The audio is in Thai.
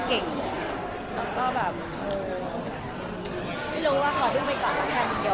ชอบคนทำงานเก่ง